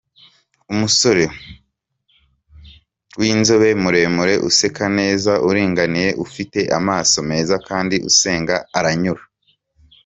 Umusore winzobe, muremure, useka neza, uringaniye, ufite amaso meza kandi usenga aranyura.